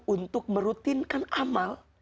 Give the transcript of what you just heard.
untuk merutinkan amal